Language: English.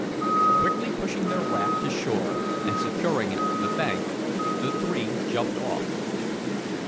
Quickly pushing their raft to shore and securing it to the bank, the three jumped off.